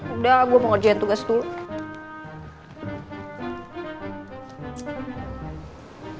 udah gue mau ngerjain tugas dulu